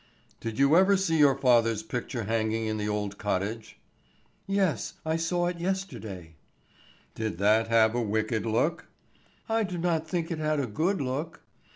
"Did you ever see your father's picture hanging in the old cottage?" "Yes, I saw it yesterday." "Did that have a wicked look?" "I do not think it had a good look."